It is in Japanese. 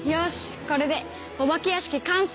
これでお化け屋敷完成！